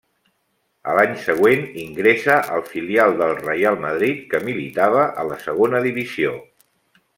A l'any següent ingressa al filial del Reial Madrid, que militava a la Segona Divisió.